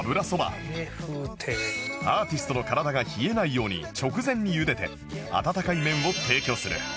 アーティストの体が冷えないように直前に茹でて温かい麺を提供する